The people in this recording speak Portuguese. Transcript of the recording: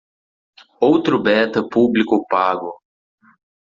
Outro beta público pago